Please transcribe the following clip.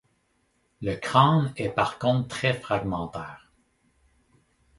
Le crâne est par contre très fragmentaire.